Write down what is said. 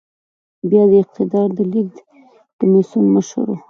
بيا د اقتدار د لېږد کميسيون مشر و.